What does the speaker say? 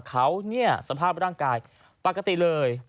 เขาเนี่ยสภาพร่างกายปกติเลย